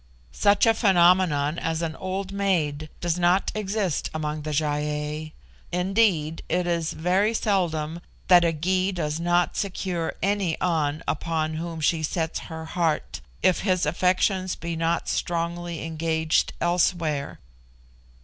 Such a phenomenon as an old maid does not exist among the Gy ei. Indeed it is very seldom that a Gy does not secure any An upon whom she sets her heart, if his affections be not strongly engaged elsewhere.